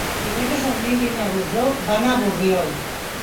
Dimecres en Nil i na Rosó van a Borriol.